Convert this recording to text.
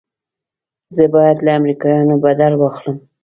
زه بايد له امريکايانو بدل واخلم.